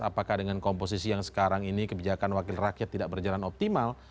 apakah dengan komposisi yang sekarang ini kebijakan wakil rakyat tidak berjalan optimal